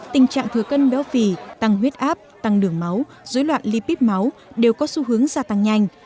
tình trạng thừa cân béo phì tăng huyết áp tăng đường máu dối loạn lipid máu đều có xu hướng gia tăng nhanh